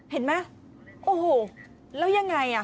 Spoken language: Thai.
เห็นไหมโอ้โหแล้วยังไงอ่ะ